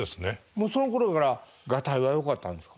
もうそのころからがたいはよかったんですか？